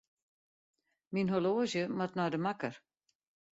Myn horloazje moat nei de makker.